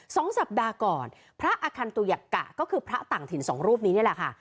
สองสัปดาห์ก่อนพระอคันตุยักกะก็คือพระต่างถิ่นสองรูปนี้นี่แหละค่ะ